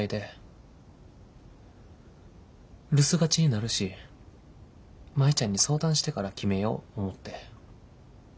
留守がちになるし舞ちゃんに相談してから決めよう思って。